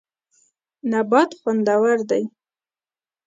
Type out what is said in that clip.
نبات خوندور دی.